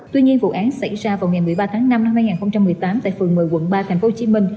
tuy nhiên vụ án xảy ra vào ngày một mươi ba tháng năm năm hai nghìn một mươi tám tại phường một mươi quận ba tp hcm